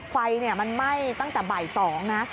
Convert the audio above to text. ไฟมันไหม้ตั้งแต่บ่าย๒นะ